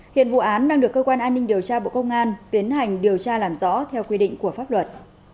hiện vụ án đang được cơ quan an ninh điều tra bộ công an tiến hành điều tra làm rõ theo quy định của pháp luật